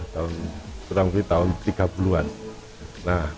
tahun kurang lebih tahun tiga puluh an